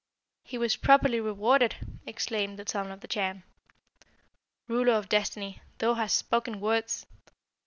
"He was properly rewarded!" exclaimed the Son of the Chan. "Ruler of Destiny, thou hast spoken words!